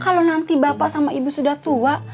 kalau nanti bapak sama ibu sudah tua